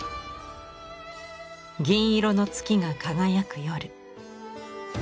銀色の月が輝く夜。